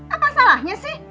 apa salahnya sih